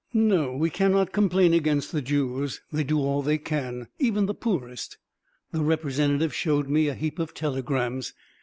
No, we cannot complain against the Jews; they do all they can, even the poorest." The representative shows me a heap of telegrams.